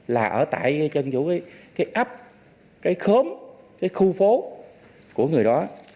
là ở tại cái ấp cái khốm cái khu phố của người đó